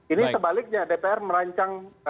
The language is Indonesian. ini sebaliknya dpr merancang